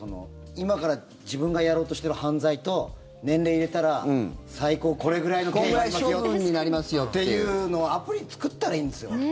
今から自分がやろうとしている犯罪と年齢を入れたら最高、これくらいの刑になりますよっていうのをアプリを作ったらいいんですよ。